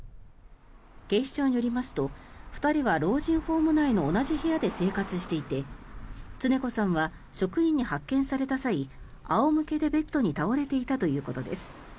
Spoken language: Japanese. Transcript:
警視庁によりますと２人は老人ホーム内の同じ部屋で生活していて常子さんは職員に発見された際仰向けでベッドに倒れていたということです。